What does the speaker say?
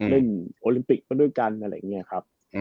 เล่นโอลิมปิกเพราะด้วยกันอะไรเงี้ยครับ